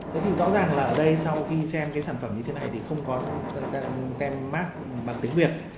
thế thì rõ ràng là ở đây sau khi xem cái sản phẩm như thế này thì không có tem mark bằng tiếng việt